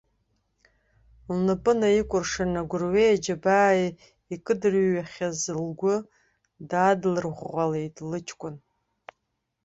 Лнапы наикәыршан, агәырҩеи аџьабааи икыддырҩаахьаз лгәы даадлырӷәӷәалеит лыҷкәын.